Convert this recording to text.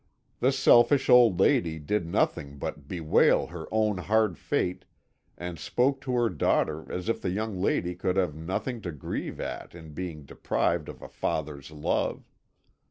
The selfish old lady did nothing but bewail her own hard fate, and spoke to her daughter as if the young lady could have nothing to grieve at in being deprived of a father's love.